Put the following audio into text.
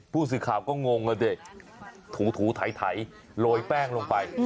ผู้สิทธิ์ขาวก็งงน่ะเจ๊ถูถูถ่ายถ่ายโรยแป้งลงไป